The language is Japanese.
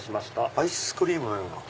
アイスクリームのような。